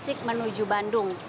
tasik menuju bandung